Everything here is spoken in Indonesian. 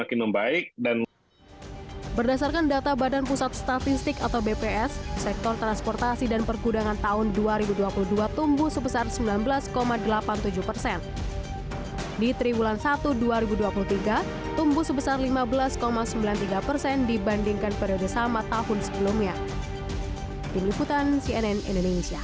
industri semakin membaik dan